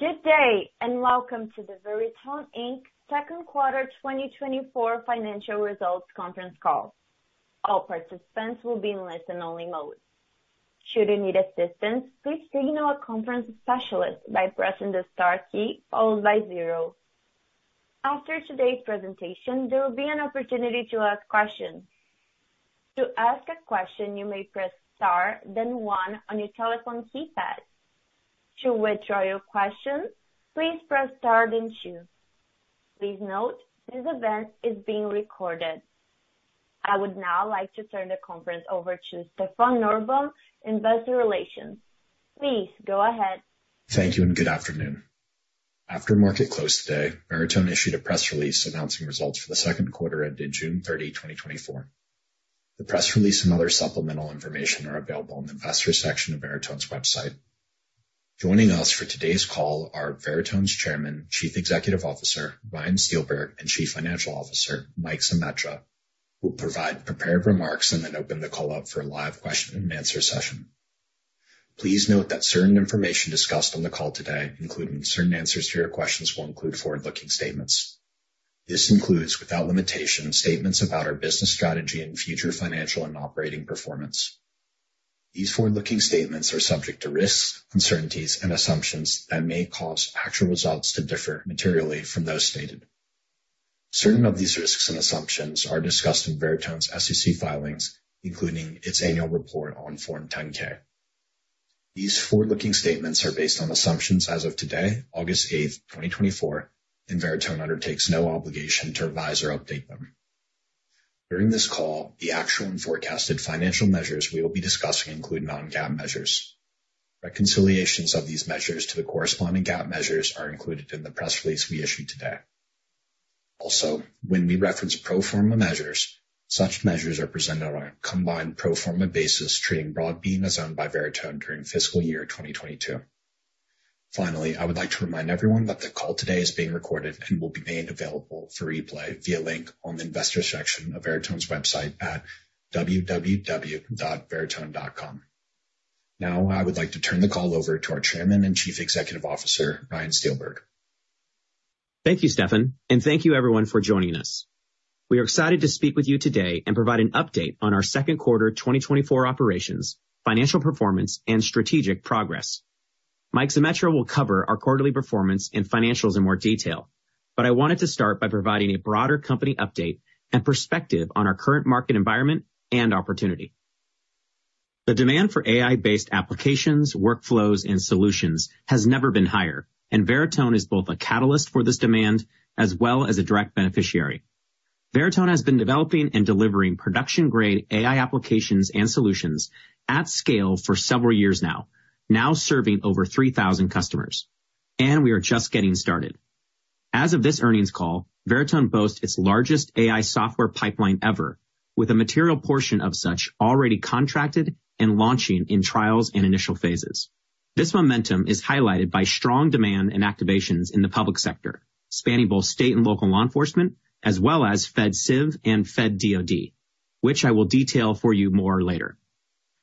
Good day, and welcome to the Veritone Inc. second quarter 2024 financial results conference call. All participants will be in listen-only mode. Should you need assistance, please signal a conference specialist by pressing the star key followed by zero. After today's presentation, there will be an opportunity to ask questions. To ask a question, you may press star, then One on your telephone keypad. To withdraw your question, please press star then two. Please note, this event is being recorded. I would now like to turn the conference over to Stefan Norrbom, Investor Relations. Please go ahead. Thank you, and good afternoon. After market close today, Veritone issued a press release announcing results for the second quarter ended June 30, 2024. The press release and other supplemental information are available on the Investors section of Veritone's website. Joining us for today's call are Veritone's Chairman, Chief Executive Officer, Ryan Steelberg, and Chief Financial Officer, Mike Zemetra, who will provide prepared remarks and then open the call up for a live question-and-answer session. Please note that certain information discussed on the call today, including certain answers to your questions, will include forward-looking statements. This includes, without limitation, statements about our business strategy and future financial and operating performance. These forward-looking statements are subject to risks, uncertainties, and assumptions that may cause actual results to differ materially from those stated. Certain of these risks and assumptions are discussed in Veritone's SEC filings, including its annual report on Form 10-K. These forward-looking statements are based on assumptions as of today, August 8, 2024, and Veritone undertakes no obligation to revise or update them. During this call, the actual and forecasted financial measures we will be discussing include non-GAAP measures. Reconciliations of these measures to the corresponding GAAP measures are included in the press release we issued today. Also, when we reference pro forma measures, such measures are presented on a combined pro forma basis, treating Broadbean as owned by Veritone during fiscal year 2022. Finally, I would like to remind everyone that the call today is being recorded and will be made available for replay via link on the investors section of Veritone's website at www.veritone.com. Now, I would like to turn the call over to our Chairman and Chief Executive Officer, Ryan Steelberg. Thank you, Stefan, and thank you everyone for joining us. We are excited to speak with you today and provide an update on our second quarter 2024 operations, financial performance, and strategic progress. Mike Zemetra will cover our quarterly performance and financials in more detail, but I wanted to start by providing a broader company update and perspective on our current market environment and opportunity. The demand for AI-based applications, workflows, and solutions has never been higher, and Veritone is both a catalyst for this demand as well as a direct beneficiary. Veritone has been developing and delivering production-grade AI applications and solutions at scale for several years now, serving over 3,000 customers, and we are just getting started. As of this earnings call, Veritone boasts its largest AI software pipeline ever, with a material portion of such already contracted and launching in trials and initial phases. This momentum is highlighted by strong demand and activations in the public sector, spanning both state and local law enforcement, as well as FedCiv and Fed DoD, which I will detail for you more later.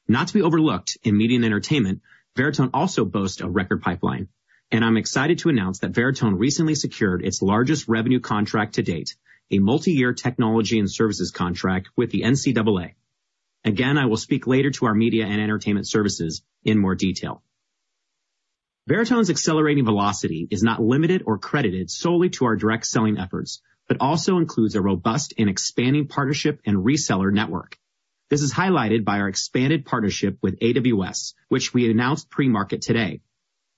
Not to be overlooked in media and entertainment, Veritone also boasts a record pipeline, and I'm excited to announce that Veritone recently secured its largest revenue contract to date, a multiyear technology and services contract with the NCAA. Again, I will speak later to our media and entertainment services in more detail. Veritone's accelerating velocity is not limited or credited solely to our direct selling efforts, but also includes a robust and expanding partnership and reseller network. This is highlighted by our expanded partnership with AWS, which we announced pre-market today.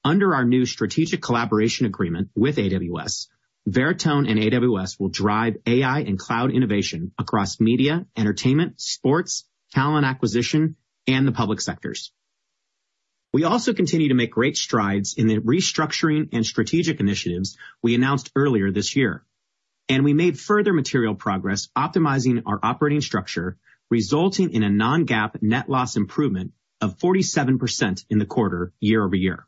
Under our new strategic collaboration agreement with AWS, Veritone and AWS will drive AI and cloud innovation across media, entertainment, sports, talent acquisition, and the public sectors. We also continue to make great strides in the restructuring and strategic initiatives we announced earlier this year, and we made further material progress optimizing our operating structure, resulting in a non-GAAP net loss improvement of 47% in the quarter year-over-year.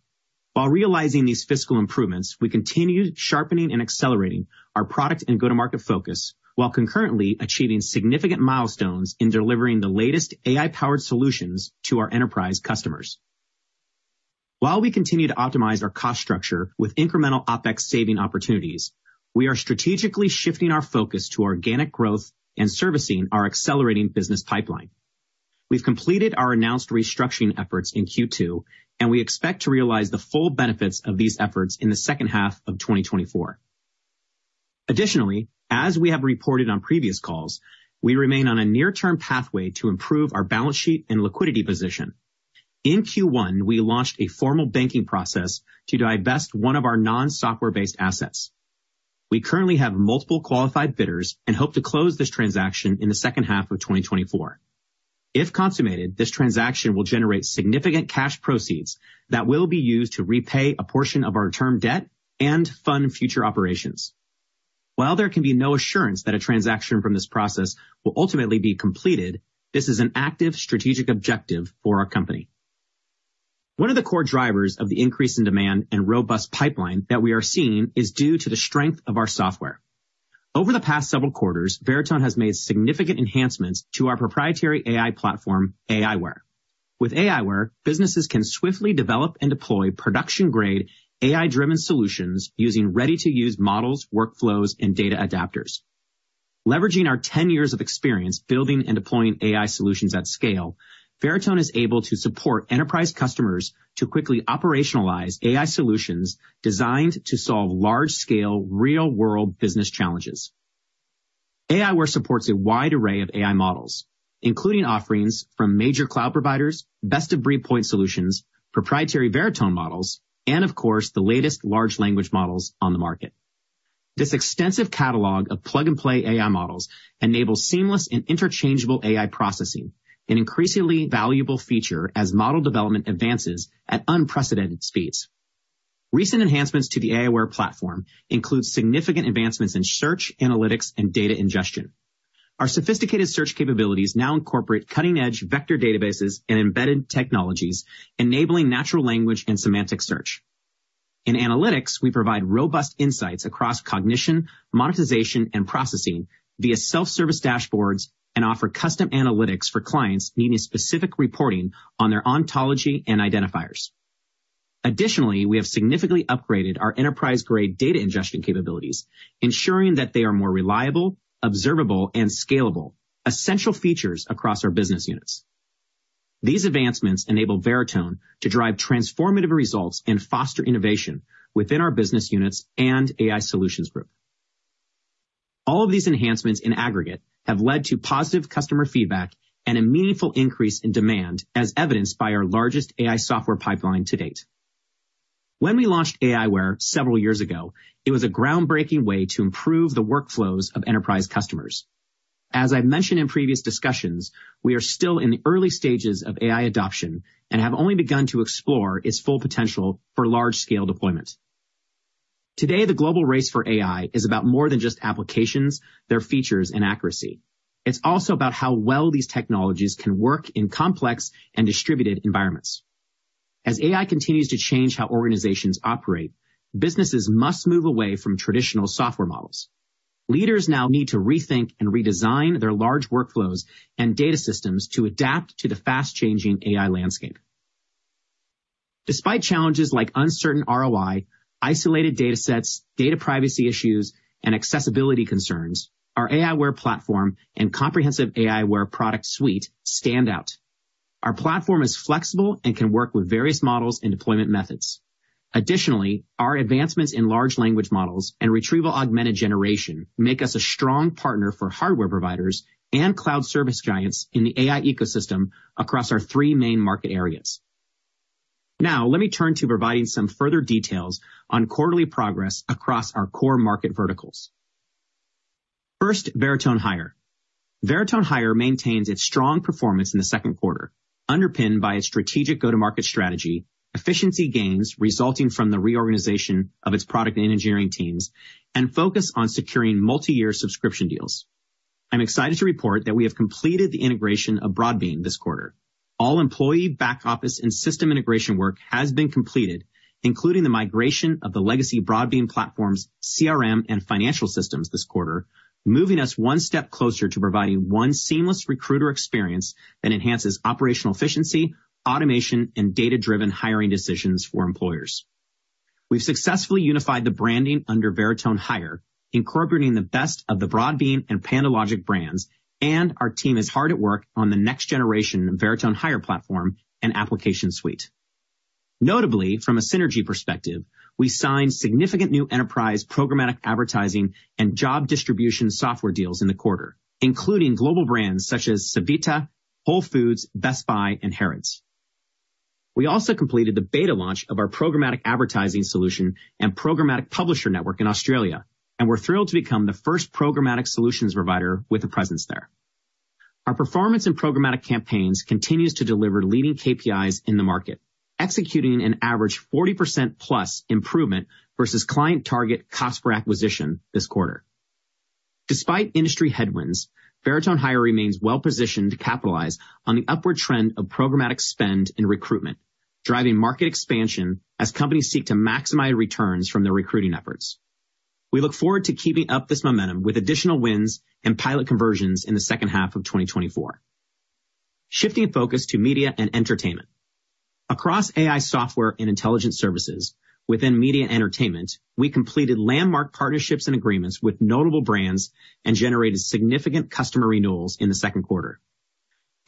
While realizing these fiscal improvements, we continued sharpening and accelerating our product and go-to-market focus, while concurrently achieving significant milestones in delivering the latest AI-powered solutions to our enterprise customers. While we continue to optimize our cost structure with incremental OpEx saving opportunities, we are strategically shifting our focus to organic growth and servicing our accelerating business pipeline. We've completed our announced restructuring efforts in Q2, and we expect to realize the full benefits of these efforts in the second half of 2024. Additionally, as we have reported on previous calls, we remain on a near-term pathway to improve our balance sheet and liquidity position. In Q1, we launched a formal banking process to divest one of our non-software-based assets. We currently have multiple qualified bidders and hope to close this transaction in the second half of 2024. If consummated, this transaction will generate significant cash proceeds that will be used to repay a portion of our term debt and fund future operations. While there can be no assurance that a transaction from this process will ultimately be completed, this is an active strategic objective for our company. One of the core drivers of the increase in demand and robust pipeline that we are seeing is due to the strength of our software.... Over the past several quarters, Veritone has made significant enhancements to our proprietary AI platform, aiWARE. With aiWARE, businesses can swiftly develop and deploy production-grade AI-driven solutions using ready-to-use models, workflows, and data adapters. Leveraging our ten years of experience building and deploying AI solutions at scale, Veritone is able to support enterprise customers to quickly operationalize AI solutions designed to solve large-scale, real-world business challenges. aiWARE supports a wide array of AI models, including offerings from major cloud providers, best-of-breed point solutions, proprietary Veritone models, and of course, the latest large language models on the market. This extensive catalog of plug-and-play AI models enables seamless and interchangeable AI processing, an increasingly valuable feature as model development advances at unprecedented speeds. Recent enhancements to the aiWARE platform include significant advancements in search, analytics, and data ingestion. Our sophisticated search capabilities now incorporate cutting-edge vector databases and embedded technologies, enabling natural language and semantic search. In analytics, we provide robust insights across cognition, monetization, and processing via self-service dashboards and offer custom analytics for clients needing specific reporting on their ontology and identifiers. Additionally, we have significantly upgraded our enterprise-grade data ingestion capabilities, ensuring that they are more reliable, observable, and scalable, essential features across our business units. These advancements enable Veritone to drive transformative results and foster innovation within our business units and AI solutions group. All of these enhancements in aggregate have led to positive customer feedback and a meaningful increase in demand, as evidenced by our largest AI software pipeline to date. When we launched aiWARE several years ago, it was a groundbreaking way to improve the workflows of enterprise customers. As I mentioned in previous discussions, we are still in the early stages of AI adoption and have only begun to explore its full potential for large-scale deployment. Today, the global race for AI is about more than just applications, their features, and accuracy. It's also about how well these technologies can work in complex and distributed environments. As AI continues to change how organizations operate, businesses must move away from traditional software models. Leaders now need to rethink and redesign their large workflows and data systems to adapt to the fast-changing AI landscape. Despite challenges like uncertain ROI, isolated datasets, data privacy issues, and accessibility concerns, our aiWARE platform and comprehensive aiWARE product suite stand out. Our platform is flexible and can work with various models and deployment methods. Additionally, our advancements in large language models and retrieval-augmented generation make us a strong partner for hardware providers and cloud service giants in the AI ecosystem across our three main market areas. Now, let me turn to providing some further details on quarterly progress across our core market verticals. First, Veritone Hire. Veritone Hire maintains its strong performance in the second quarter, underpinned by its strategic go-to-market strategy, efficiency gains resulting from the reorganization of its product and engineering teams, and focus on securing multiyear subscription deals. I'm excited to report that we have completed the integration of Broadbean this quarter. All employee back office and system integration work has been completed, including the migration of the legacy Broadbean platforms, CRM, and financial systems this quarter, moving us one step closer to providing one seamless recruiter experience that enhances operational efficiency, automation, and data-driven hiring decisions for employers. We've successfully unified the branding under Veritone Hire, incorporating the best of the Broadbean and PandoLogic brands, and our team is hard at work on the next generation of Veritone Hire platform and application suite. Notably, from a synergy perspective, we signed significant new enterprise programmatic advertising and job distribution software deals in the quarter, including global brands such as Sevita, Whole Foods, Best Buy, and Hertz. We also completed the beta launch of our programmatic advertising solution and programmatic publisher network in Australia, and we're thrilled to become the first programmatic solutions provider with a presence there. Our performance in programmatic campaigns continues to deliver leading KPIs in the market, executing an average 40%+ improvement versus client target cost per acquisition this quarter. Despite industry headwinds, Veritone Hire remains well positioned to capitalize on the upward trend of programmatic spend in recruitment, driving market expansion as companies seek to maximize returns from their recruiting efforts. We look forward to keeping up this momentum with additional wins and pilot conversions in the second half of 2024. Shifting focus to media and entertainment. Across AI software and intelligence services, within media and entertainment, we completed landmark partnerships and agreements with notable brands and generated significant customer renewals in the second quarter.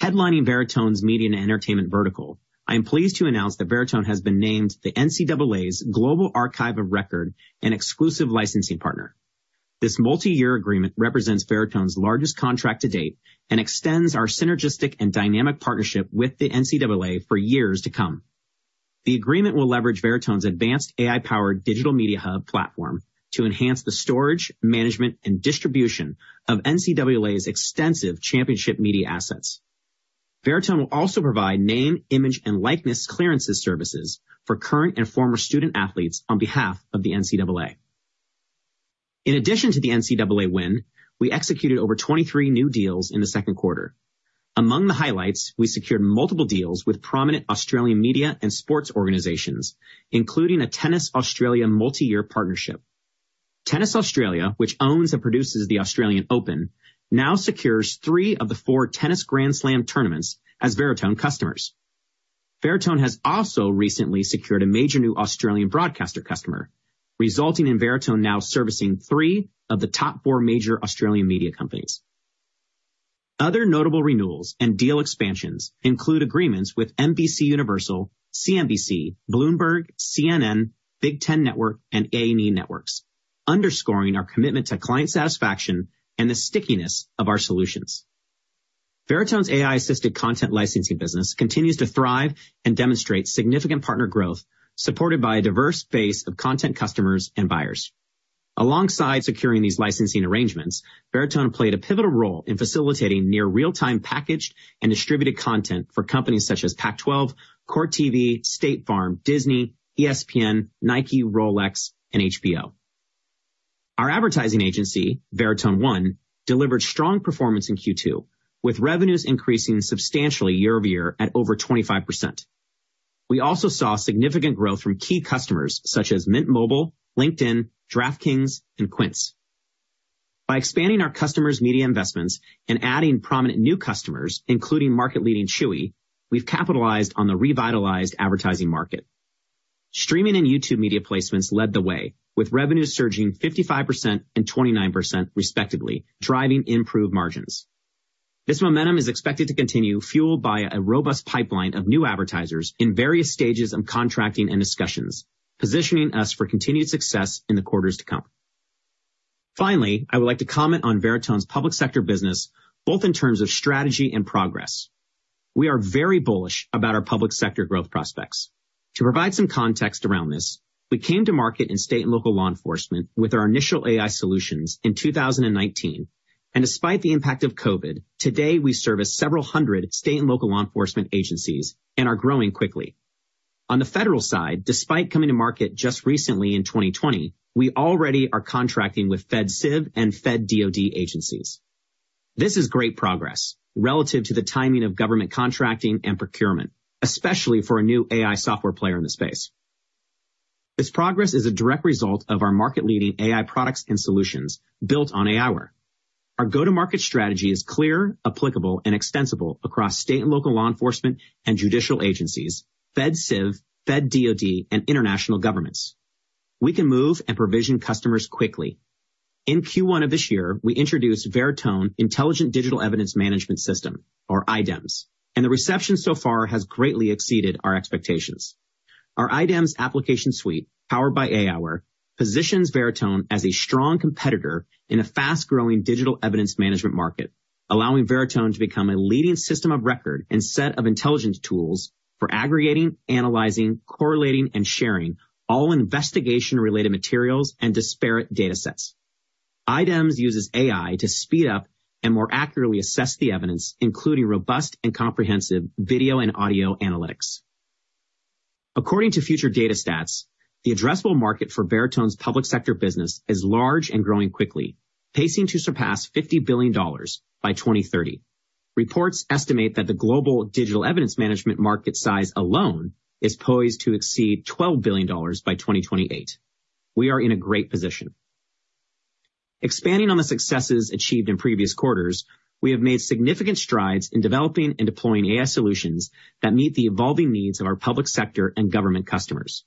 Headlining Veritone's media and entertainment vertical, I am pleased to announce that Veritone has been named the NCAA's Global Archive of Record and exclusive licensing partner. This multi-year agreement represents Veritone's largest contract to date and extends our synergistic and dynamic partnership with the NCAA for years to come. The agreement will leverage Veritone's advanced AI-powered Digital Media Hub platform to enhance the storage, management, and distribution of NCAA's extensive championship media assets. Veritone will also provide name, image, and likeness clearances services for current and former student-athletes on behalf of the NCAA. In addition to the NCAA win, we executed over 23 new deals in the second quarter. Among the highlights, we secured multiple deals with prominent Australian media and sports organizations, including a Tennis Australia multi-year partnership. Tennis Australia, which owns and produces the Australian Open, now secures three of the four tennis Grand Slam tournaments as Veritone customers. Veritone has also recently secured a major new Australian broadcaster customer, resulting in Veritone now servicing three of the top four major Australian media companies. Other notable renewals and deal expansions include agreements with NBCUniversal, CNBC, Bloomberg, CNN, Big Ten Network, and A+E Networks, underscoring our commitment to client satisfaction and the stickiness of our solutions. Veritone's AI-assisted content licensing business continues to thrive and demonstrate significant partner growth, supported by a diverse base of content customers and buyers. Alongside securing these licensing arrangements, Veritone played a pivotal role in facilitating near real-time packaged and distributed content for companies such as Pac-12, Court TV, State Farm, Disney, ESPN, Nike, Rolex, and HBO. Our advertising agency, Veritone One, delivered strong performance in Q2, with revenues increasing substantially year-over-year at over 25%. We also saw significant growth from key customers such as Mint Mobile, LinkedIn, DraftKings, and Quince. By expanding our customers' media investments and adding prominent new customers, including market-leading Chewy, we've capitalized on the revitalized advertising market. Streaming and YouTube media placements led the way, with revenues surging 55% and 29%, respectively, driving improved margins. This momentum is expected to continue, fueled by a robust pipeline of new advertisers in various stages of contracting and discussions, positioning us for continued success in the quarters to come. Finally, I would like to comment on Veritone's public sector business, both in terms of strategy and progress. We are very bullish about our public sector growth prospects. To provide some context around this, we came to market in state and local law enforcement with our initial AI solutions in 2019, and despite the impact of COVID, today we service several hundred state and local law enforcement agencies and are growing quickly. On the federal side, despite coming to market just recently in 2020, we already are contracting with FedCiv and Fed DoD agencies. This is great progress relative to the timing of government contracting and procurement, especially for a new AI software player in the space. This progress is a direct result of our market-leading AI products and solutions built on aiWARE. Our go-to-market strategy is clear, applicable, and extensible across state and local law enforcement and judicial agencies, FeDCiv, Fed DoD, and international governments. We can move and provision customers quickly. In Q1 of this year, we introduced Veritone Intelligent Digital Evidence Management System, or IDEMS, and the reception so far has greatly exceeded our expectations. Our IDEMS application suite, powered by aiWARE, positions Veritone as a strong competitor in a fast-growing digital evidence management market, allowing Veritone to become a leading system of record and set of intelligent tools for aggregating, analyzing, correlating, and sharing all investigation-related materials and disparate datasets. IDEMS uses AI to speed up and more accurately assess the evidence, including robust and comprehensive video and audio analytics. According to future data stats, the addressable market for Veritone's public sector business is large and growing quickly, pacing to surpass $50 billion by 2030. Reports estimate that the global digital evidence management market size alone is poised to exceed $12 billion by 2028. We are in a great position. Expanding on the successes achieved in previous quarters, we have made significant strides in developing and deploying AI solutions that meet the evolving needs of our public sector and government customers.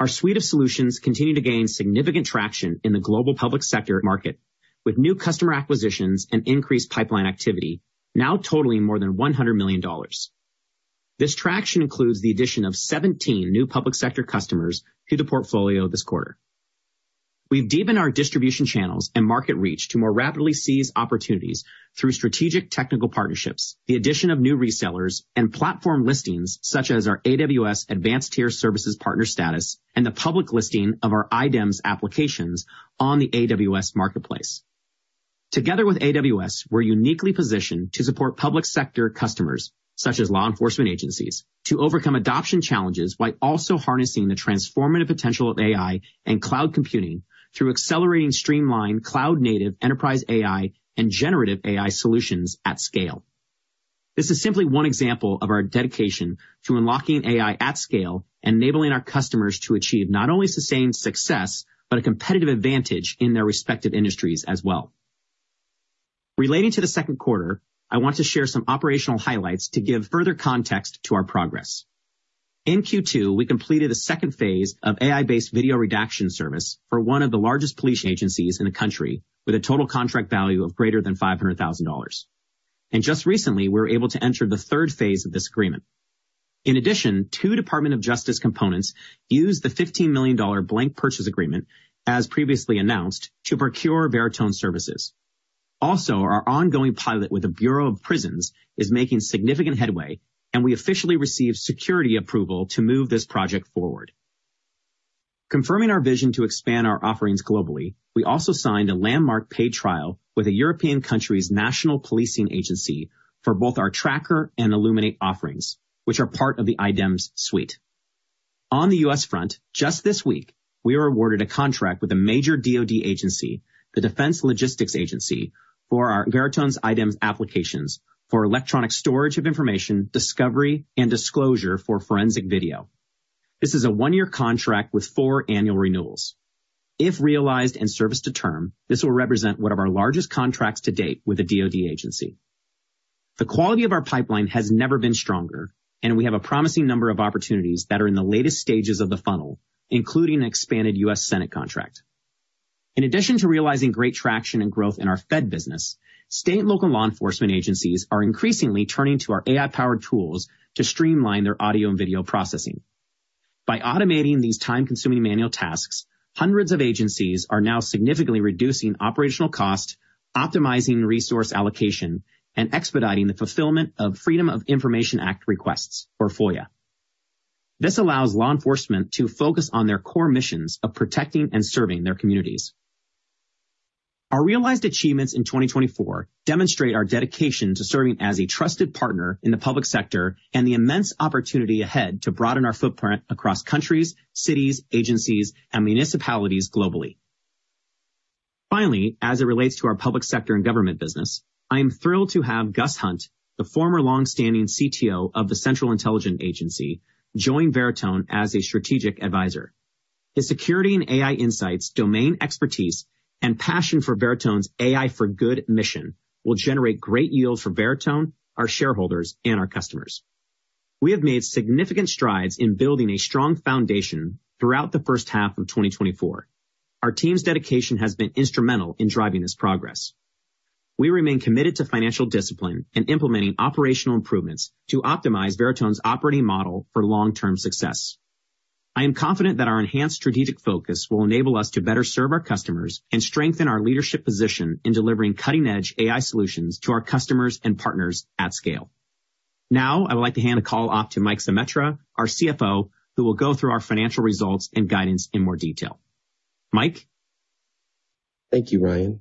Our suite of solutions continue to gain significant traction in the global public sector market, with new customer acquisitions and increased pipeline activity now totaling more than $100 million. This traction includes the addition of 17 new public sector customers to the portfolio this quarter. We've deepened our distribution channels and market reach to more rapidly seize opportunities through strategic technical partnerships, the addition of new resellers and platform listings, such as our AWS Advanced Tier Services Partner status, and the public listing of our IDEMS applications on the AWS Marketplace. Together with AWS, we're uniquely positioned to support public sector customers, such as law enforcement agencies, to overcome adoption challenges while also harnessing the transformative potential of AI and cloud computing through accelerating streamlined, cloud-native enterprise AI, and generative AI solutions at scale. This is simply one example of our dedication to unlocking AI at scale and enabling our customers to achieve not only sustained success, but a competitive advantage in their respective industries as well. Relating to the second quarter, I want to share some operational highlights to give further context to our progress. In Q2, we completed a second phase of AI-based video redaction service for one of the largest police agencies in the country, with a total contract value of greater than $500,000. Just recently, we were able to enter the third phase of this agreement. In addition, two Department of Justice components used the $15 million blanket purchase agreement, as previously announced, to procure Veritone services. Also, our ongoing pilot with the Bureau of Prisons is making significant headway, and we officially received security approval to move this project forward. Confirming our vision to expand our offerings globally, we also signed a landmark paid trial with a European country's national policing agency for both our Tracker and Illuminate offerings, which are part of the IDEMS suite. On the U.S. front, just this week, we were awarded a contract with a major DoD agency, the Defense Logistics Agency, for our Veritone's IDEMS applications for electronic storage of information, discovery, and disclosure for forensic video. This is a one-year contract with four annual renewals. If realized and serviced to term, this will represent one of our largest contracts to date with a DoD agency. The quality of our pipeline has never been stronger, and we have a promising number of opportunities that are in the latest stages of the funnel, including an expanded U.S. Senate contract. In addition to realizing great traction and growth in our Fed business, state and local law enforcement agencies are increasingly turning to our AI-powered tools to streamline their audio and video processing. By automating these time-consuming manual tasks, hundreds of agencies are now significantly reducing operational cost, optimizing resource allocation, and expediting the fulfillment of Freedom of Information Act requests, or FOIA. This allows law enforcement to focus on their core missions of protecting and serving their communities. Our realized achievements in 2024 demonstrate our dedication to serving as a trusted partner in the public sector and the immense opportunity ahead to broaden our footprint across countries, cities, agencies, and municipalities globally. Finally, as it relates to our public sector and government business, I am thrilled to have Gus Hunt, the former longstanding CTO of the Central Intelligence Agency, join Veritone as a strategic advisor. His security and AI insights, domain expertise, and passion for Veritone's AI for Good mission will generate great yield for Veritone, our shareholders, and our customers. We have made significant strides in building a strong foundation throughout the first half of 2024. Our team's dedication has been instrumental in driving this progress. We remain committed to financial discipline and implementing operational improvements to optimize Veritone's operating model for long-term success. I am confident that our enhanced strategic focus will enable us to better serve our customers and strengthen our leadership position in delivering cutting-edge AI solutions to our customers and partners at scale. Now, I would like to hand the call off to Mike Zemetra our CFO, who will go through our financial results and guidance in more detail. Mike? Thank you, Ryan.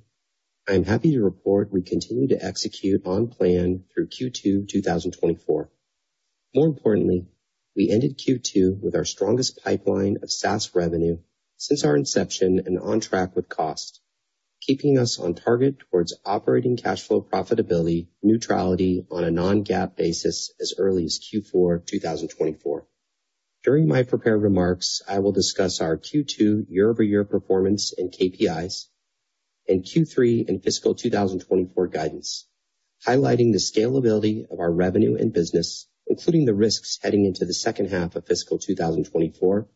I am happy to report we continue to execute on plan through Q2 2024. More importantly, we ended Q2 with our strongest pipeline of SaaS revenue since our inception and on track with cost, keeping us on target towards operating cash flow profitability, neutrality on a non-GAAP basis as early as Q4 2024. During my prepared remarks, I will discuss our Q2 year-over-year performance in KPIs and Q3 and fiscal 2024 guidance, highlighting the scalability of our revenue and business, including the risks heading into the second half of fiscal 2024,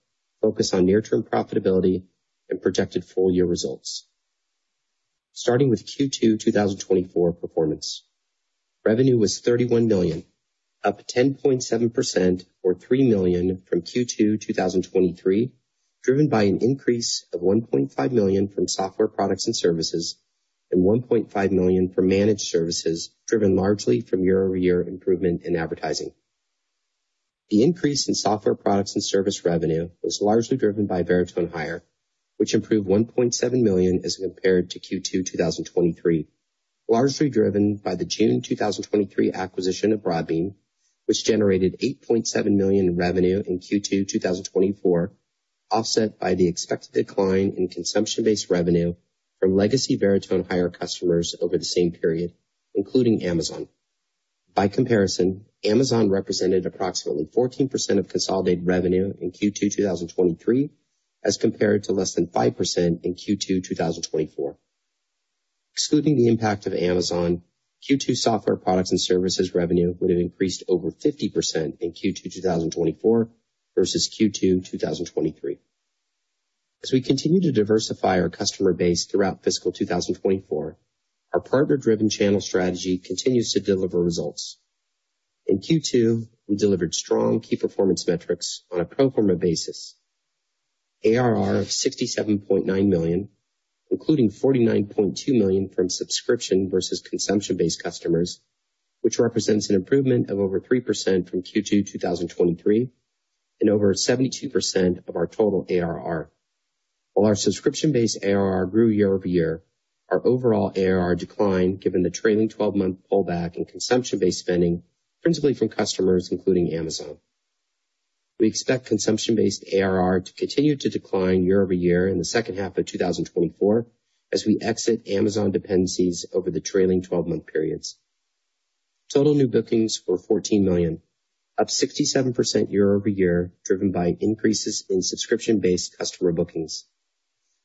focus on near-term profitability and projected full year results. starting with Q2 2024 performance. Revenue was $31 million, up 10.7% or $3 million from Q2 2023, driven by an increase of $1.5 million from software products and services, and $1.5 million from managed services, driven largely from year-over-year improvement in advertising. The increase in software products and service revenue was largely driven by Veritone Hire, which improved $1.7 million as compared to Q2 2023, largely driven by the June 2023 acquisition of Broadbean, which generated $8.7 million in revenue in Q2 2024, offset by the expected decline in consumption-based revenue from legacy Veritone Hire customers over the same period, including Amazon. By comparison, Amazon represented approximately 14% of consolidated revenue in Q2 2023, as compared to less than 5% in Q2 2024. Excluding the impact of Amazon, Q2 software products and services revenue would have increased over 50% in Q2 2024 versus Q2 2023. As we continue to diversify our customer base throughout fiscal 2024, our partner-driven channel strategy continues to deliver results. In Q2, we delivered strong key performance metrics on a pro forma basis. ARR of $67.9 million, including $49.2 million from subscription versus consumption-based customers, which represents an improvement of over 3% from Q2 2023 and over 72% of our total ARR. While our subscription-based ARR grew year-over-year, our overall ARR declined given the trailing 12-month pullback in consumption-based spending, principally from customers, including Amazon. We expect consumption-based ARR to continue to decline year-over-year in the second half of 2024 as we exit Amazon dependencies over the trailing 12-month periods. Total new bookings were $14 million, up 67% year-over-year, driven by increases in subscription-based customer bookings.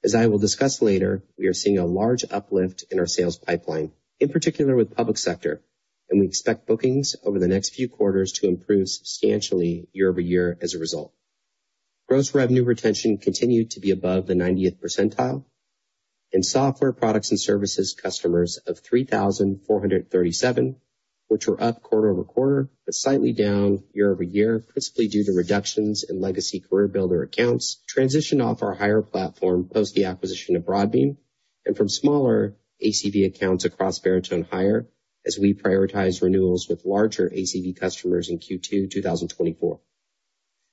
As I will discuss later, we are seeing a large uplift in our sales pipeline, in particular with public sector, and we expect bookings over the next few quarters to improve substantially year-over-year as a result. Gross revenue retention continued to be above the 90th percentile, and software products and services customers of 3,437, which were up quarter-over-quarter, but slightly down year-over-year, principally due to reductions in legacy CareerBuilder accounts, transitioned off our higher platform post the acquisition of Broadbean and from smaller ACV accounts across Veritone Hire as we prioritize renewals with larger ACV customers in Q2 2024.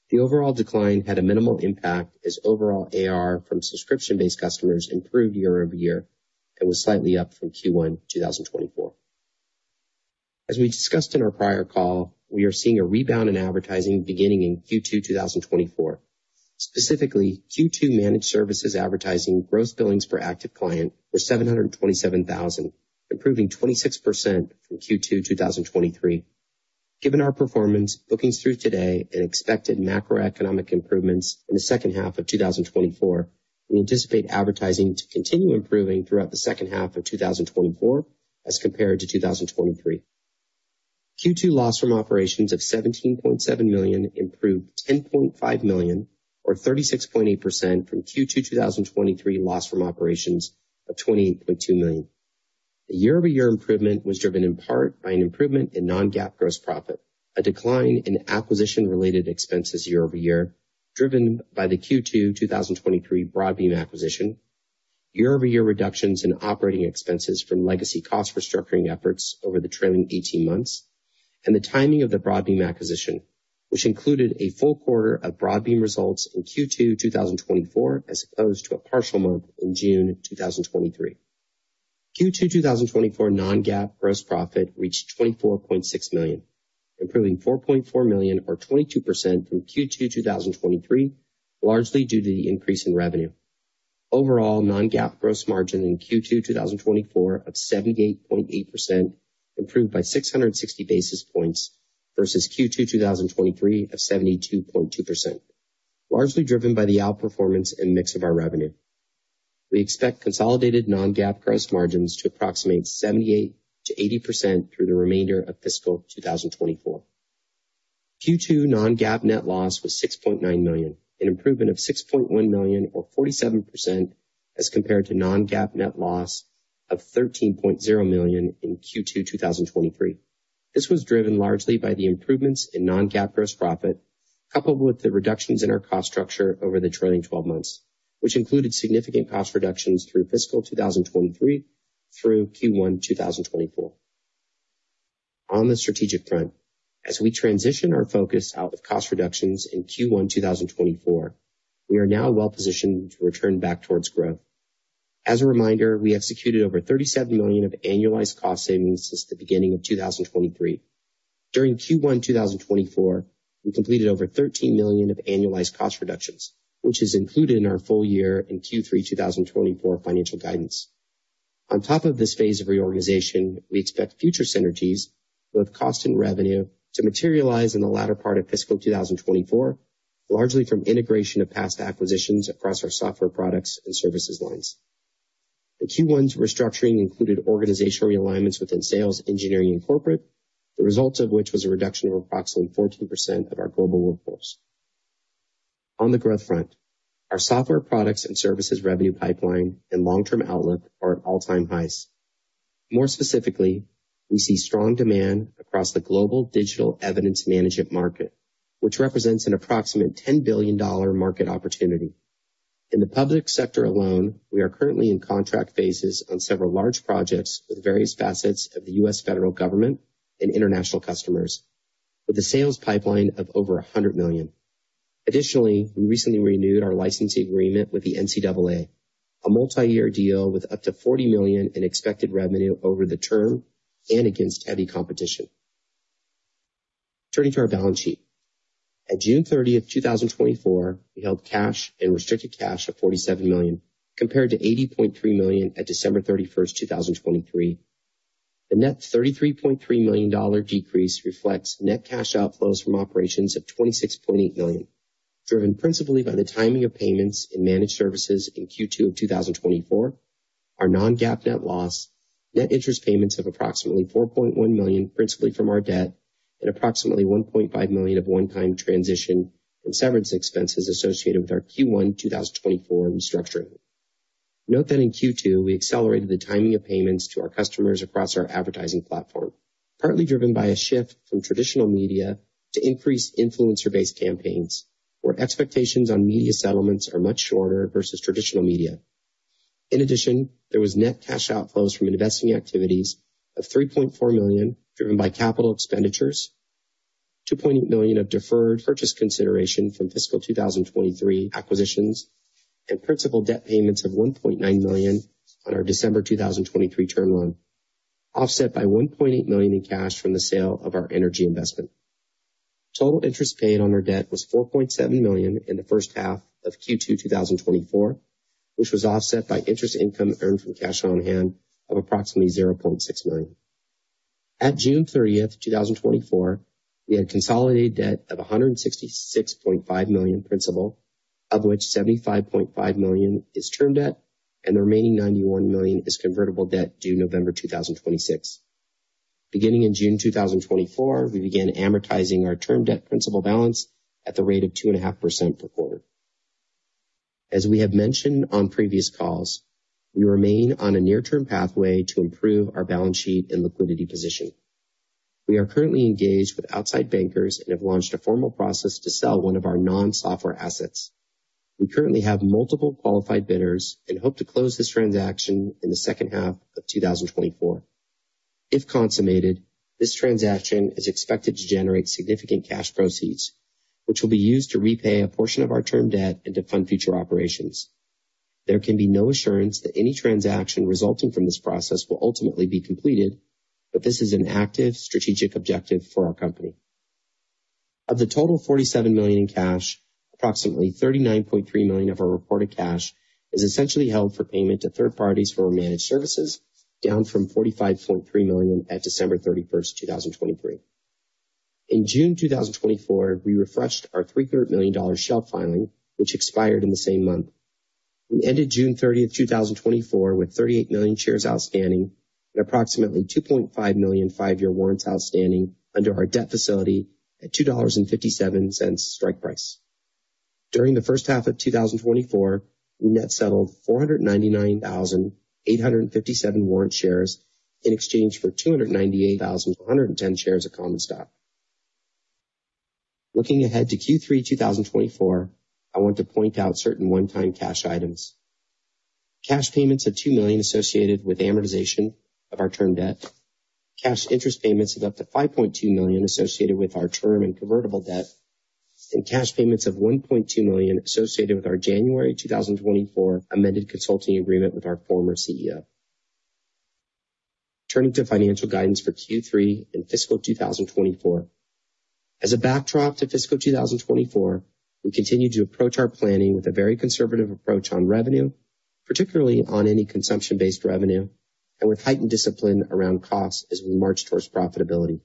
The overall decline had a minimal impact as overall ARR from subscription-based customers improved year-over-year and was slightly up from Q1 2024. As we discussed in our prior call, we are seeing a rebound in advertising beginning in Q2 2024. Specifically, Q2 managed services advertising gross billings per active client were $727,000, improving 26% from Q2 2023. Given our performance, bookings through today, and expected macroeconomic improvements in the second half of 2024, we anticipate advertising to continue improving throughout the second half of 2024 as compared to 2023. Q2 loss from operations of $17.7 million improved $10.5 million, or 36.8% from Q2 2023 loss from operations of $28.2 million. The year-over-year improvement was driven in part by an improvement in non-GAAP gross profit, a decline in acquisition-related expenses year-over-year, driven by the Q2 2023 Broadbean acquisition, year-over-year reductions in operating expenses from legacy cost restructuring efforts over the trailing 18 months, and the timing of the Broadbean acquisition, which included a full quarter of Broadbean results in Q2 2024, as opposed to a partial month in June 2023. Q2 2024 non-GAAP gross profit reached $24.6 million, improving $4.4 million or 22% from Q2 2023, largely due to the increase in revenue. Overall, non-GAAP gross margin in Q2 2024 of 78.8%, improved by 660 basis points versus Q2 2023 of 72.2%, largely driven by the outperformance and mix of our revenue. We expect consolidated non-GAAP gross margins to approximate 78%-80% through the remainder of fiscal 2024. Q2 non-GAAP net loss was $6.9 million, an improvement of $6.1 million, or 47%, as compared to non-GAAP net loss of $13.0 million in Q2, 2023. This was driven largely by the improvements in non-GAAP gross profit, coupled with the reductions in our cost structure over the trailing 12 months, which included significant cost reductions through fiscal 2023 through Q1 2024. On the strategic front, as we transition our focus out of cost reductions in Q1 2024, we are now well positioned to return back towards growth. As a reminder, we have executed over $37 million of annualized cost savings since the beginning of 2023. During Q1 2024, we completed over $13 million of annualized cost reductions, which is included in our full year in Q3 2024 financial guidance. On top of this phase of reorganization, we expect future synergies, both cost and revenue, to materialize in the latter part of fiscal 2024, largely from integration of past acquisitions across our software products and services lines. The Q1's restructuring included organizational realignments within sales, engineering, and corporate, the results of which was a reduction of approximately 14% of our global workforce. On the growth front, our software products and services revenue pipeline and long-term outlook are at all-time highs. More specifically, we see strong demand across the global digital evidence management market, which represents an approximate $10 billion market opportunity. In the public sector alone, we are currently in contract phases on several large projects with various facets of the U.S. federal government and international customers, with a sales pipeline of over $100 million. Additionally, we recently renewed our licensing agreement with the NCAA, a multi-year deal with up to $40 million in expected revenue over the term and against heavy competition. Turning to our balance sheet. At June 30th, 2024, we held cash and restricted cash of $47 million, compared to $80.3 million at December 31st, 2023. The net $33.3 million decrease reflects net cash outflows from operations of $26.8 million, driven principally by the timing of payments in managed services in Q2 of 2024, our non-GAAP net loss, net interest payments of approximately $4.1 million, principally from our debt, and approximately $1.5 million of one-time transition and severance expenses associated with our Q1 2024 restructuring. Note that in Q2, we accelerated the timing of payments to our customers across our advertising platform, partly driven by a shift from traditional media to increased influencer-based campaigns, where expectations on media settlements are much shorter versus traditional media. In addition, there was net cash outflows from investing activities of $3.4 million, driven by capital expenditures, $2.8 million of deferred purchase consideration from fiscal 2023 acquisitions, and principal debt payments of $1.9 million on our December 2023 term loan, offset by $1.8 million in cash from the sale of our energy investment. Total interest paid on our debt was $4.7 million in the first half of Q2 2024, which was offset by interest income earned from cash on hand of approximately $0.6 million. At June 30, 2024, we had consolidated debt of $166.5 million principal, of which $75.5 million is term debt, and the remaining $91 million is convertible debt due November 2026. Beginning in June 2024, we began amortizing our term debt principal balance at the rate of 2.5% per quarter. As we have mentioned on previous calls, we remain on a near-term pathway to improve our balance sheet and liquidity position. We are currently engaged with outside bankers and have launched a formal process to sell one of our non-software assets. We currently have multiple qualified bidders and hope to close this transaction in the second half of 2024. If consummated, this transaction is expected to generate significant cash proceeds, which will be used to repay a portion of our term debt and to fund future operations. There can be no assurance that any transaction resulting from this process will ultimately be completed, but this is an active strategic objective for our company. Of the total $47 million in cash, approximately $39.3 million of our reported cash is essentially held for payment to third parties for our managed services, down from $45.3 million at December 31, 2023. In June 2024, we refreshed our $300 million shelf filing, which expired in the same month. We ended June 30, 2024, with 38 million shares outstanding and approximately 2.5 million five-year warrants outstanding under our debt facility at $2.57 strike price. During the first half of 2024, we net settled 499,857 warrant shares in exchange for 298,110 shares of common stock. Looking ahead to Q3 2024, I want to point out certain one-time cash items. Cash payments of $2 million associated with amortization of our term debt, cash interest payments of up to $5.2 million associated with our term and convertible debt, and cash payments of $1.2 million associated with our January 2024 amended consulting agreement with our former CEO. Turning to financial guidance for Q3 in fiscal 2024. As a backdrop to fiscal 2024, we continue to approach our planning with a very conservative approach on revenue, particularly on any consumption-based revenue, and with heightened discipline around costs as we march towards profitability.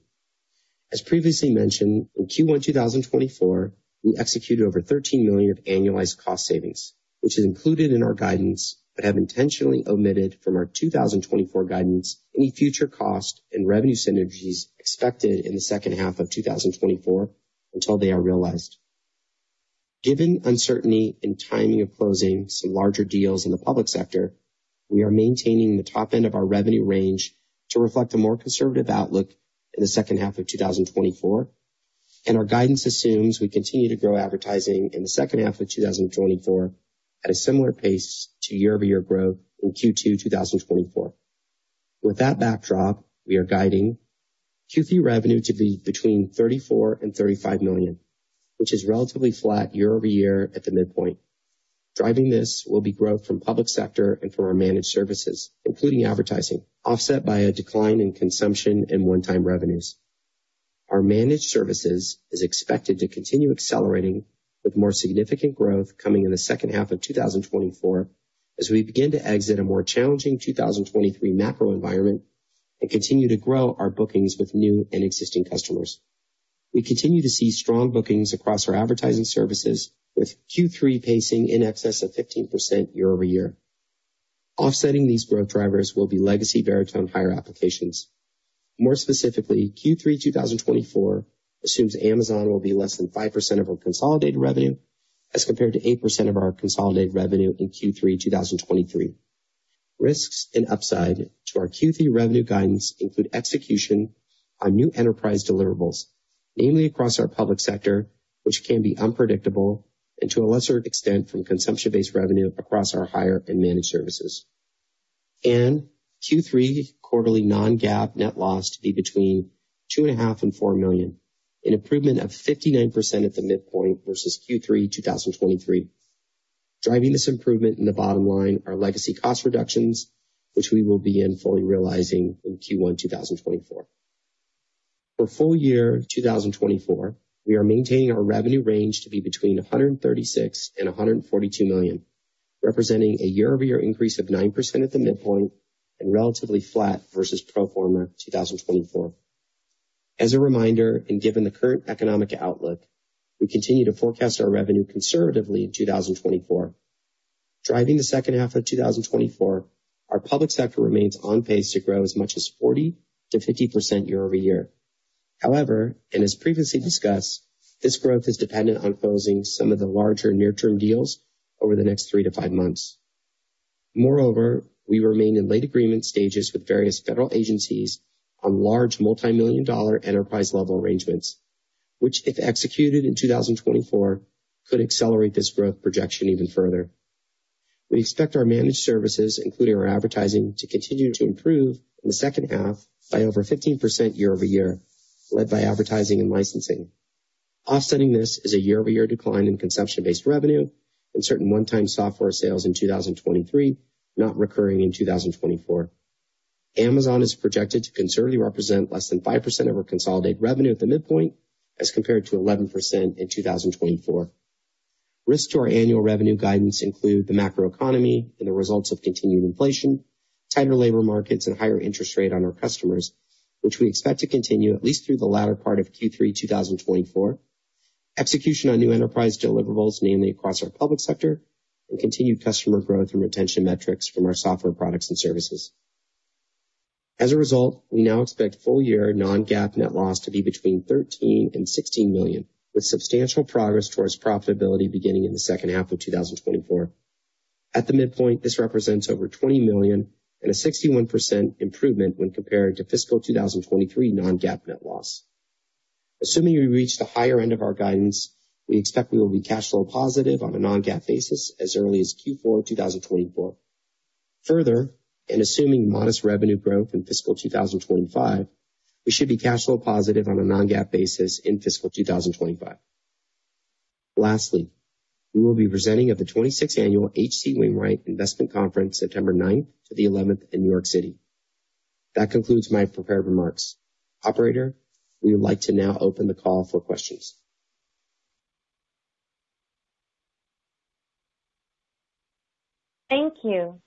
As previously mentioned, in Q1 2024, we executed over $13 million of annualized cost savings, which is included in our guidance, but have intentionally omitted from our 2024 guidance any future cost and revenue synergies expected in the second half of 2024 until they are realized. Given uncertainty in timing of closing some larger deals in the public sector, we are maintaining the top end of our revenue range to reflect a more conservative outlook in the second half of 2024, and our guidance assumes we continue to grow advertising in the second half of 2024 at a similar pace to year-over-year growth in Q2 2024. With that backdrop, we are guiding Q3 revenue to be between $34 million and $35 million, which is relatively flat year over year at the midpoint. Driving this will be growth from public sector and from our managed services, including advertising, offset by a decline in consumption and one-time revenues. Our managed services is expected to continue accelerating, with more significant growth coming in the second half of 2024 as we begin to exit a more challenging 2023 macro environment and continue to grow our bookings with new and existing customers. We continue to see strong bookings across our advertising services, with Q3 pacing in excess of 15% year-over-year. Offsetting these growth drivers will be legacy Veritone Hire applications. More specifically, Q3 2024 assumes Amazon will be less than 5% of our consolidated revenue as compared to 8% of our consolidated revenue in Q3 2023. Risks and upside to our Q3 revenue guidance include execution on new enterprise deliverables, namely across our public sector, which can be unpredictable and to a lesser extent from consumption-based revenue across our Hire and managed services. In Q3, quarterly non-GAAP net loss to be between $2.5 million and $4 million, an improvement of 59% at the midpoint versus Q3 2023. Driving this improvement in the bottom line are legacy cost reductions, which we will begin fully realizing in Q1 2024. For full year 2024, we are maintaining our revenue range to be between $136 million and $142 million, representing a year-over-year increase of 9% at the midpoint and relatively flat versus pro forma 2024. As a reminder, and given the current economic outlook, we continue to forecast our revenue conservatively in 2024. Driving the second half of 2024, our public sector remains on pace to grow as much as 40%-50% year-over-year. However, and as previously discussed, this growth is dependent on closing some of the larger near-term deals over the next 3-5 months. Moreover, we remain in late agreement stages with various federal agencies on large multimillion-dollar enterprise-level arrangements, which, if executed in 2024, could accelerate this growth projection even further. We expect our managed services, including our advertising, to continue to improve in the second half by over 15% year-over-year, led by advertising and licensing. Offsetting this is a year-over-year decline in consumption-based revenue and certain one-time software sales in 2023, not recurring in 2024. Amazon is projected to conservatively represent less than 5% of our consolidated revenue at the midpoint, as compared to 11% in 2024. Risks to our annual revenue guidance include the macroeconomy and the results of continued inflation, tighter labor markets, and higher interest rate on our customers, which we expect to continue at least through the latter part of Q3 2024. Execution on new enterprise deliverables, namely across our public sector, and continued customer growth and retention metrics from our software products and services. As a result, we now expect full-year non-GAAP net loss to be between $13 million and $16 million, with substantial progress towards profitability beginning in the second half of 2024. At the midpoint, this represents over $20 million and a 61% improvement when compared to fiscal 2023 non-GAAP net loss. Assuming we reach the higher end of our guidance, we expect we will be cash flow positive on a non-GAAP basis as early as Q4 2024.... Further, in assuming modest revenue growth in fiscal 2025, we should be cash flow positive on a non-GAAP basis in fiscal 2025. Lastly, we will be presenting at the 26th annual H.C. Wainwright Investment Conference, September 9th to the 11th in New York City. That concludes my prepared remarks. Operator, we would like to now open the call for questions. Thank you.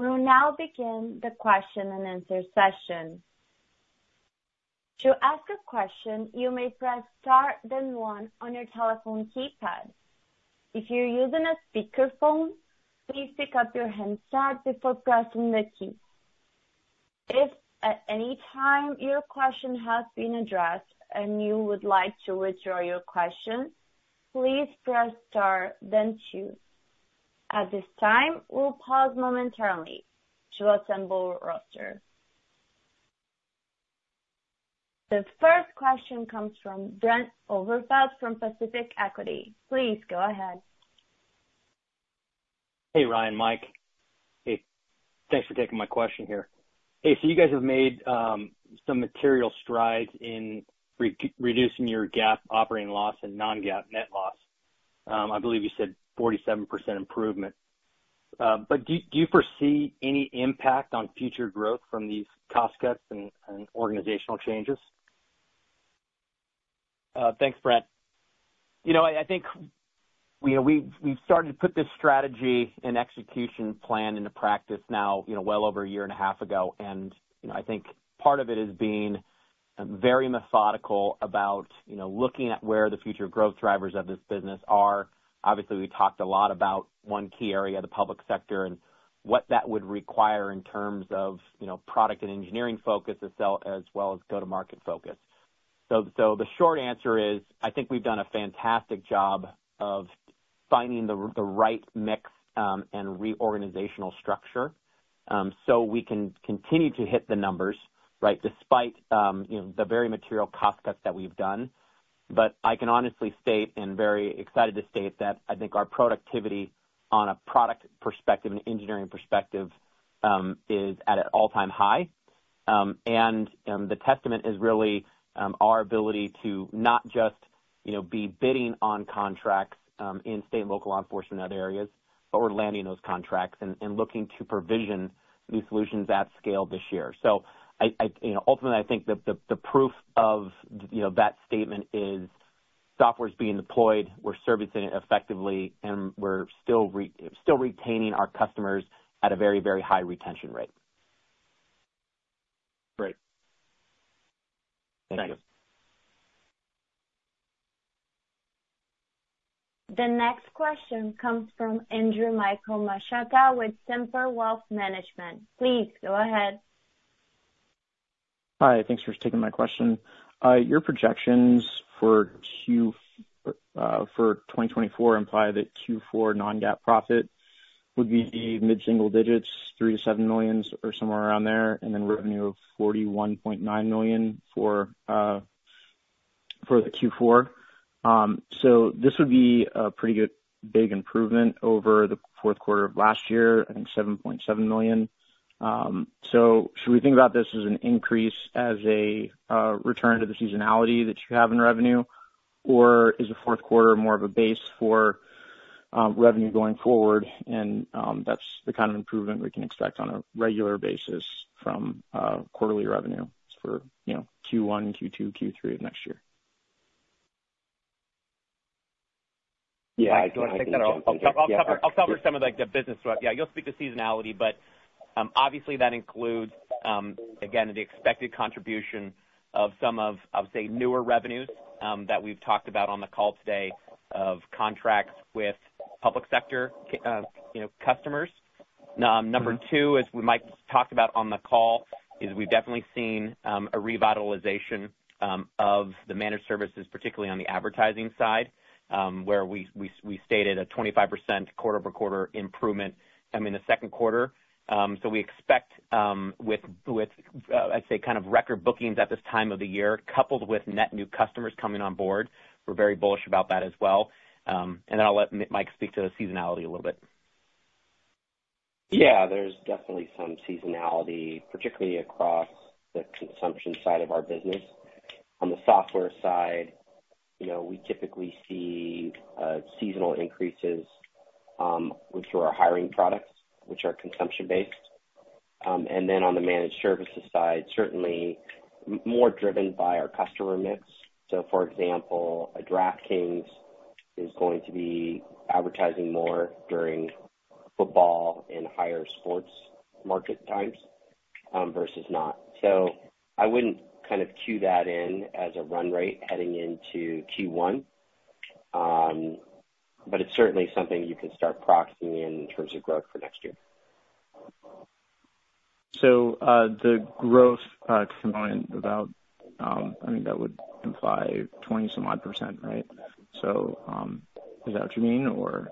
We will now begin the question and answer session. To ask a question, you may press star then One on your telephone keypad. If you're using a speakerphone, please pick up your handset before pressing the key. If, at any time, your question has been addressed and you would like to withdraw your question, please press star then two. At this time, we'll pause momentarily to assemble roster. The first question comes from Brent Overfelt from Pacific Equity. Please go ahead. Hey, Ryan, Mike. Hey, thanks for taking my question here. Hey, so you guys have made some material strides in reducing your GAAP operating loss and non-GAAP net loss. I believe you said 47% improvement. But do you foresee any impact on future growth from these cost cuts and organizational changes? Thanks, Brent. You know, I think, you know, we've started to put this strategy and execution plan into practice now, you know, well over a year and a half ago, and, you know, I think part of it is being very methodical about, you know, looking at where the future growth drivers of this business are. Obviously, we talked a lot about one key area, the public sector, and what that would require in terms of, you know, product and engineering focus, as well as go-to-market focus. So the short answer is, I think we've done a fantastic job of finding the right mix and reorganizational structure so we can continue to hit the numbers, right, despite, you know, the very material cost cuts that we've done. But I can honestly state, and very excited to state, that I think our productivity on a product perspective and engineering perspective is at an all-time high. And the testament is really our ability to not just, you know, be bidding on contracts in state and local law enforcement areas, but we're landing those contracts and looking to provision new solutions at scale this year. So you know, ultimately, I think the proof of, you know, that statement is software's being deployed, we're servicing it effectively, and we're still retaining our customers at a very, very high retention rate. Great. Thank you. Thanks. The next question comes from Andrew Michael Mashaka with Semper Wealth Management. Please go ahead. Hi, thanks for taking my question. Your projections for 2024 imply that Q4 non-GAAP profit would be mid-single digits, $3 million-$7 million or somewhere around there, and then revenue of $41.9 million for the Q4. So this would be a pretty good, big improvement over the fourth quarter of last year, I think $7.7 million. So should we think about this as an increase, as a return to the seasonality that you have in revenue? Or is the fourth quarter more of a base for revenue going forward, and that's the kind of improvement we can expect on a regular basis from quarterly revenue for, you know, Q1, Q2, Q3 of next year? Yeah, I think- Mike, do you wanna take that? Or I'll cover some of, like, the business stuff. Yeah, you'll speak to seasonality, but obviously, that includes, again, the expected contribution of some of, I would say, newer revenues, that we've talked about on the call today of contracts with public sector, you know, customers. Number two, as we Mike talked about on the call, is we've definitely seen a revitalization of the managed services, particularly on the advertising side, where we stated a 25% quarter-over-quarter improvement in the second quarter. So we expect, with, I'd say, kind of record bookings at this time of the year, coupled with net new customers coming on board. We're very bullish about that as well. And then I'll let Mike speak to the seasonality a little bit. Yeah, there's definitely some seasonality, particularly across the consumption side of our business. On the software side, you know, we typically see seasonal increases, which are our hiring products, which are consumption based. And then on the managed services side, certainly more driven by our customer mix. So for example, a DraftKings is going to be advertising more during football and higher sports market times, versus not. So I wouldn't kind of cue that in as a run rate heading into Q1. But it's certainly something you can start proxying in in terms of growth for next year. So, the growth, component without, I think that would imply 20-some odd %, right? So, is that what you mean, or-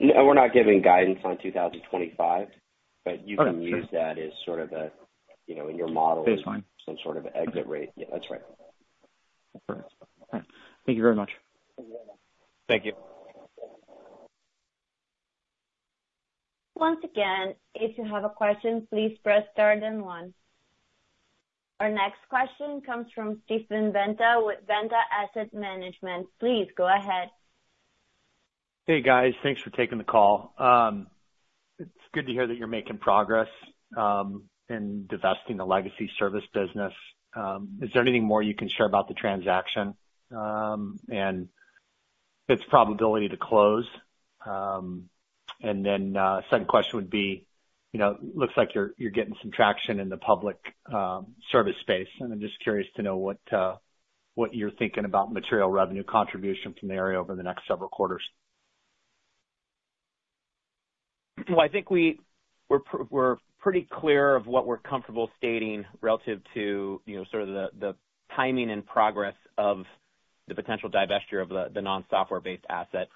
No, we're not giving guidance on 2025, but you can use that as sort of a, you know, in your model. That's fine. Some sort of exit rate. Yeah, that's right. Thank you very much. Thank you. Once again, if you have a question, please press star then one. Our next question comes from Stephen Banta with Venta Asset Management. Please go ahead. Hey, guys. Thanks for taking the call. It's good to hear that you're making progress in divesting the legacy service business. Is there anything more you can share about the transaction and its probability to close? And then, second question would be, you know, looks like you're getting some traction in the public service space, and I'm just curious to know what you're thinking about material revenue contribution from the area over the next several quarters. Well, I think we're pretty clear on what we're comfortable stating relative to, you know, sort of the timing and progress of the potential divestiture of the non-software based asset.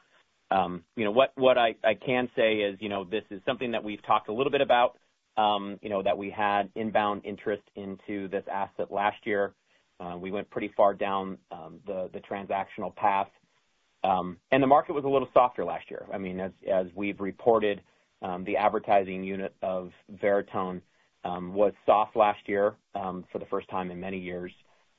You know what I can say is, you know, this is something that we've talked a little bit about, you know, that we had inbound interest in this asset last year. We went pretty far down the transactional path, and the market was a little softer last year. I mean, as we've reported, the advertising unit of Veritone was soft last year, for the first time in many years.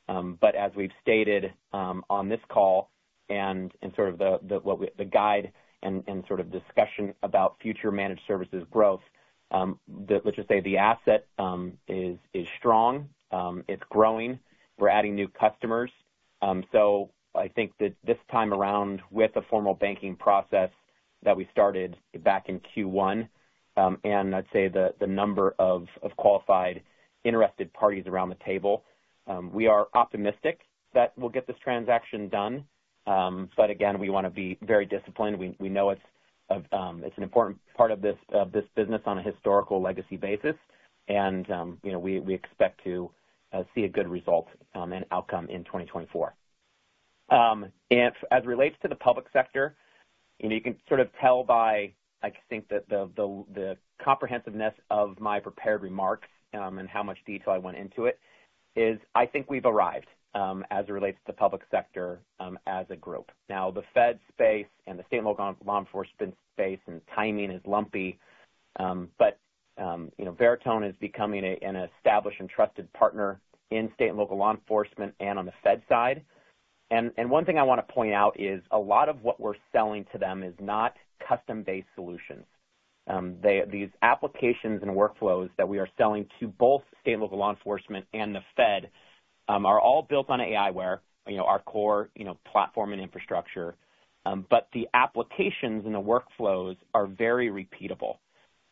But as we've stated, on this call and in sort of the guidance and sort of discussion about future managed services growth, the, let's just say the asset is strong, it's growing. We're adding new customers. So I think that this time around, with a formal banking process that we started back in Q1, and I'd say the number of qualified, interested parties around the table, we are optimistic that we'll get this transaction done. But again, we wanna be very disciplined. We know it's an important part of this business on a historical legacy basis, and, you know, we expect to see a good result and outcome in 2024. If, as it relates to the public sector, you know, you can sort of tell by, I think, the comprehensiveness of my prepared remarks, and how much detail I went into it, is I think we've arrived, as it relates to the public sector, as a group. Now, the Fed space and the state and local law enforcement space and timing is lumpy. But, you know, Veritone is becoming an established and trusted partner in state and local law enforcement and on the Fed side. And one thing I wanna point out is a lot of what we're selling to them is not custom-based solutions. These applications and workflows that we are selling to both state and local law enforcement and the Fed are all built on aiWARE, you know, our core, you know, platform and infrastructure. But the applications and the workflows are very repeatable.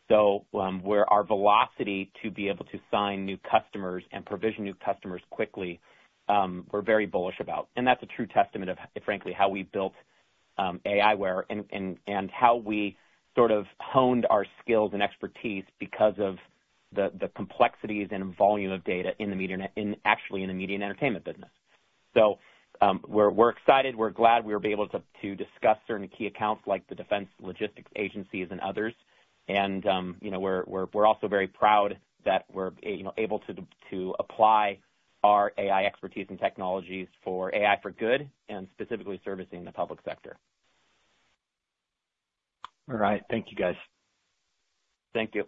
So, our velocity to be able to sign new customers and provision new customers quickly, we're very bullish about. And that's a true testament of, frankly, how we built aiWARE and how we sort of honed our skills and expertise because of the complexities and volume of data in the media and actually in the media and entertainment business. So, we're excited. We're glad we were able to discuss certain key accounts like the Defense Logistics Agency and others. And, you know, we're also very proud that we're, you know, able to apply our AI expertise and technologies for AI for good and specifically servicing the public sector. All right. Thank you, guys. Thank you.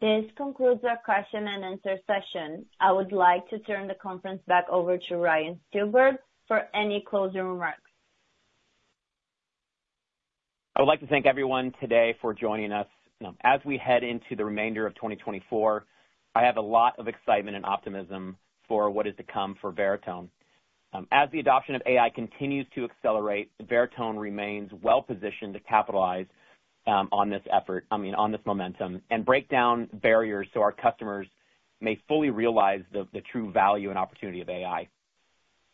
This concludes our question and answer session. I would like to turn the conference back over to Ryan Steelberg for any closing remarks. I would like to thank everyone today for joining us. As we head into the remainder of 2024, I have a lot of excitement and optimism for what is to come for Veritone. As the adoption of AI continues to accelerate, Veritone remains well positioned to capitalize, on this effort, I mean, on this momentum, and break down barriers so our customers may fully realize the true value and opportunity of AI.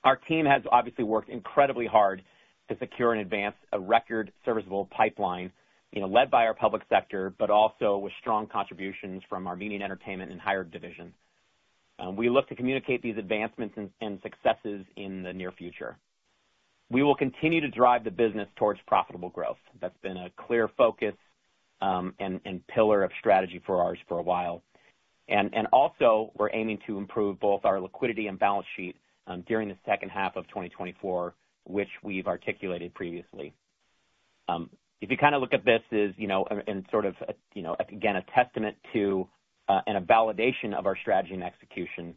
Our team has obviously worked incredibly hard to secure and advance a record serviceable pipeline, you know, led by our public sector, but also with strong contributions from our media and entertainment and Hire division. We look to communicate these advancements and successes in the near future. We will continue to drive the business towards profitable growth. That's been a clear focus, and pillar of strategy for ours for a while. Also, we're aiming to improve both our liquidity and balance sheet during the second half of 2024, which we've articulated previously. If you kind of look at this as, you know, sort of, you know, again, a testament to and a validation of our strategy and execution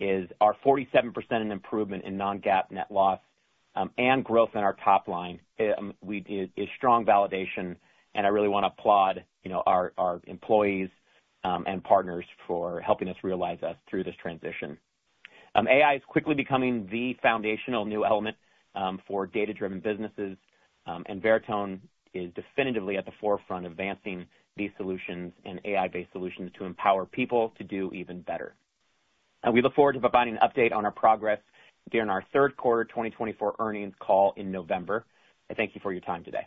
is our 47% improvement in non-GAAP net loss, and growth in our top line, is strong validation, and I really want to applaud, you know, our employees and partners for helping us realize that through this transition. AI is quickly becoming the foundational new element for data-driven businesses, and Veritone is definitively at the forefront of advancing these solutions and AI-based solutions to empower people to do even better. We look forward to providing an update on our progress during our third quarter 2024 earnings call in November. I thank you for your time today.